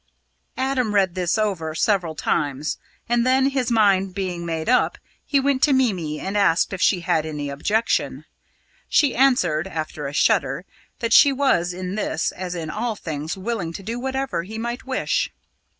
Adam read this over several times, and then, his mind being made up, he went to Mimi and asked if she had any objection. She answered after a shudder that she was, in this, as in all things, willing to do whatever he might wish.